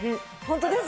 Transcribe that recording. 本当です。